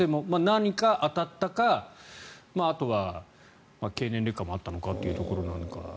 何か当たったかあとは経年劣化もあったのかというところなのか。